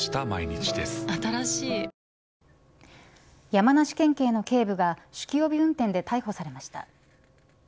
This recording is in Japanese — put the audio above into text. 山梨県警の警部が酒気帯び運転で逮捕されました。